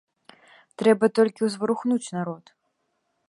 Трэба толькі ўзварухнуць народ.